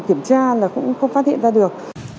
kiểm tra là cũng không phát hiện ra được